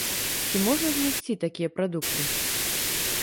Ці можна знайсці такія прадукты?